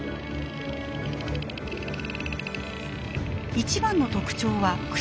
一番の特徴は口。